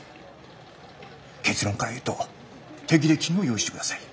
結論から言うと手切れ金を用意してください。